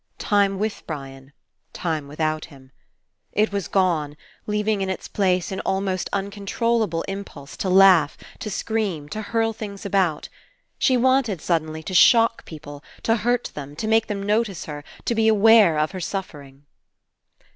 Time with Brian. Time without him. It was gone, leaving in its place an almost un controllable impulse to laugh, to scream, to hurl things about. She wanted, suddenly, to shock people, to hurt them, to make them notice her, to be aware of her suffering.